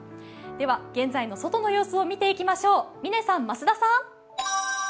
では現在の外の様子を見ていきましょう。